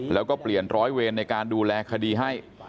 แล้วก็เปลี่ยนร้อยเวรในการดูแลคดีให้